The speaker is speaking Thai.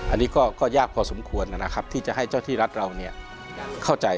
อันนี้ก็ยากพอสมควรนะครับที่จะให้เจ้าที่รัฐเราเข้าใจ